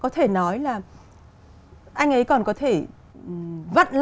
còn có thể vừa nói với đại sứ anh ấy còn có thể vừa nói với đại sứ nhưng mà họ từng nói với một bài hát